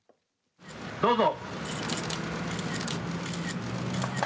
どうぞ。